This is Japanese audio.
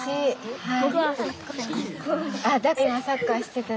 はい。